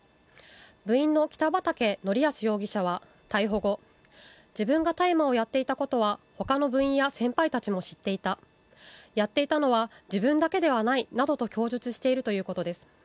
部員の北畠成文容疑者は逮捕後自分が大麻をやっていたことは他の部員や先輩たちも知っていた、やっていたのは自分だけではないと供述しているということです。